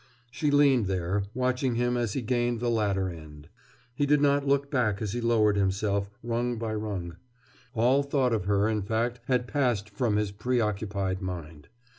She leaned there, watching him as he gained the ladder end. He did not look back as he lowered himself, rung by rung. All thought of her, in fact, had passed from his preoccupied mind.